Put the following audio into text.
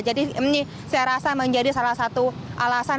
jadi ini saya rasa menjadi salah satu alasan